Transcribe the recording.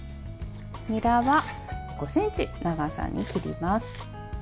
にらは５ｃｍの長さに切ります。